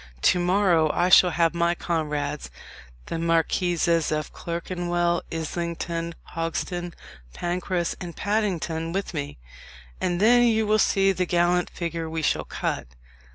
To morrow I shall have my comrades, the Marquises of Clerkenwell, Islington, Hogsden, Pancras, and Paddington, with me, and then you will see the gallant figure we shall cut."